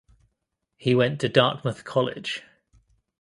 He went to Dartmouth College.